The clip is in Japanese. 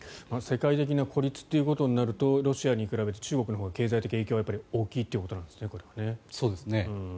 世界的な孤立ということになるとロシアに比べて中国のほうが経済的影響が大きいということなんですね。